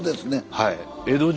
はい。